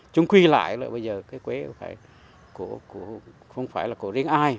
chúng quy lại là bây giờ cái quế không phải là của riêng ai